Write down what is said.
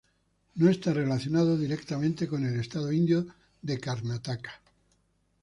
No está relacionada directamente con el estado indio de Karnataka.